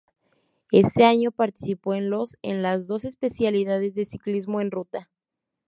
Ese año participó en los en las dos especialidades de ciclismo en ruta.